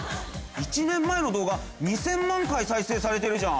１年前の動画２，０００万回再生されてるじゃん。